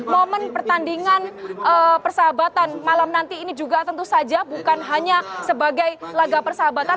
momen pertandingan persahabatan malam nanti ini juga tentu saja bukan hanya sebagai laga persahabatan